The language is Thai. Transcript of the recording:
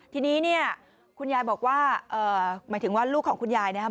ทีนี้เนี่ยคุณยายบอกว่าหมายถึงว่าลูกของคุณยายนะครับ